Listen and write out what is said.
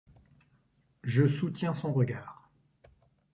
Je soutiens son regard.